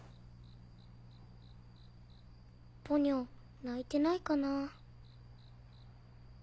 ポニョ泣いてないかなぁ。